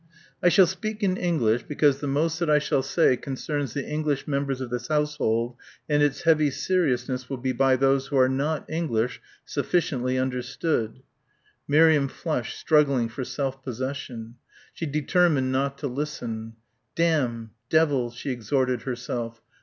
"I shall speak in English, because the most that I shall say concerns the English members of this household and its heavy seriousness will be by those who are not English, sufficiently understood." Miriam flushed, struggling for self possession. She determined not to listen.... "Damn ... Devil ..." she exhorted herself